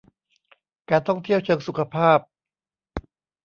การท่องเที่ยวเชิงสุขภาพ